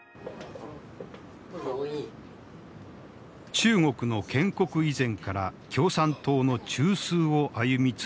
中国の建国以前から共産党の中枢を歩み続けた百寿の男。